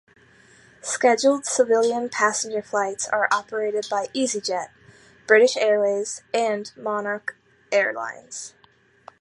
Scheduled civilian passenger flights are operated by EasyJet, British Airways and Monarch Airlines.